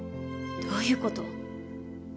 どういうこと？